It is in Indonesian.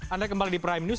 anda kembali di prime news